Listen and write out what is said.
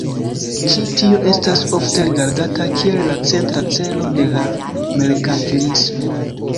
Ĉi tio estas ofte rigardata kiel la centra celo de la merkantilismo.